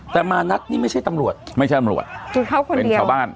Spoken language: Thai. แต่มานัดนี่ไม่ใช่ตำรวจไม่ใช่ตำรวจคือเขาคนนี้เป็นชาวบ้าน